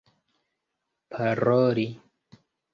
paroli